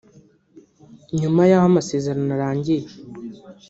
“nyuma y’aho amasezerano arangiye